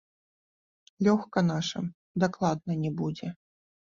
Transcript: Лёгка нашым дакладна не будзе.